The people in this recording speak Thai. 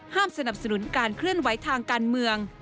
สนับสนุนการเคลื่อนไหวทางการเมือง